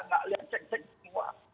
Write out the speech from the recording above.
gak liat cek cek semua